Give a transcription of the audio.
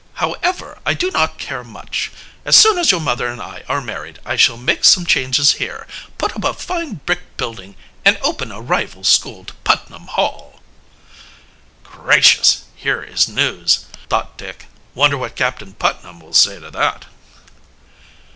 However, I do not care much. As soon as your mother and I are married, I shall make some changes here, put up a fine brick building, and open a rival school to Putnam Hall." "Gracious, here is news!" thought Dick. "Wonder what Captain Putnam will say to that?"